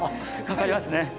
かかりますね。